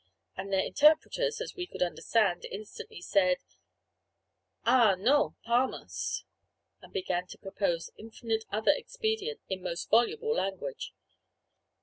And their interpreters, as we could understand, instantly said, "Ah, non Palmas" and began to propose infinite other expedients in most voluble language.